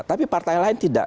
tapi partai lain tidak